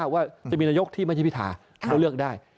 ว่าจะมีนายกที่ไม่ใช่พิธาก็เลือกได้